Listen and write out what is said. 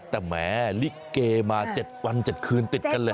แต่แหมลิเกมา๗วัน๗คืนติดกันเลย